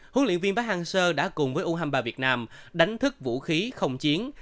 huấn luyện viên park hang seo đã cùng với u hai mươi ba việt nam đánh thức vũ khí không chiến